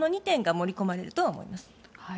この２点が盛り込まれると思います。